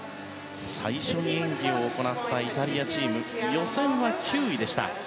最初に演技を行ったイタリアチーム予選は９位でした。